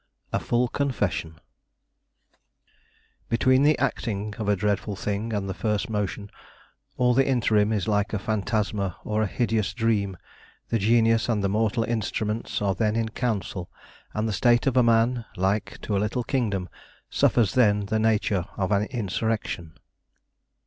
A FULL CONFESSION "Between the acting of a dreadful thing, And the first motion, all the interim is Like a phantasma or a hideous dream; The genius and the mortal instruments Are then in council; and the state of a man, Like to a little Kingdom, suffers then The nature of an insurrection."